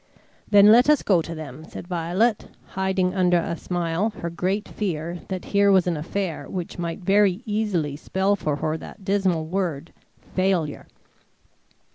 "Then let us go to them," said Violet, hiding under a smile her great fear that here was an affair which might very easily spell for her that dismal word, failure.